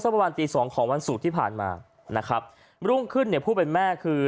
ประมาณตีสองของวันศุกร์ที่ผ่านมานะครับรุ่งขึ้นเนี่ยผู้เป็นแม่คือ